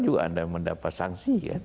juga anda mendapat sanksi